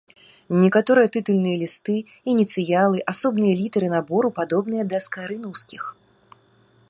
Некаторыя тытульныя лісты, ініцыялы, асобныя літары набору падобныя да скарынаўскіх.